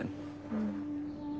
うん。